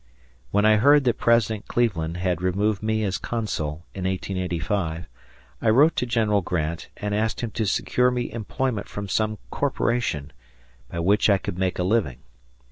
When I heard that President Cleveland had removed me as consul, in 1885, I wrote to General Grant and asked him to secure me employment from some corporation, by which I could make a living.